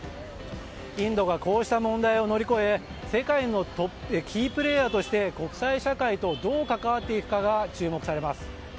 インドがこうした問題を乗り越え世界のキープレーヤーとして国際社会とどう関わっていくかが注目されます。